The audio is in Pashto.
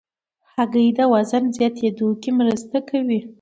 هګۍ د وزن زیاتېدو کې مرسته کوي.